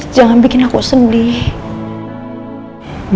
jangan bikin aku sedih